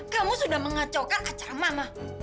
kamu sudah mengacaukan acara mama